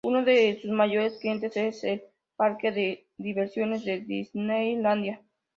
Uno de sus mayores clientes es el parque de diversiones de Disneylandia.